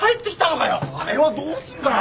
あれはどうすんだよ？